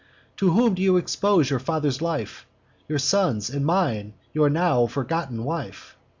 To whom do you expose your father's life, Your son's, and mine, your now forgotten wife!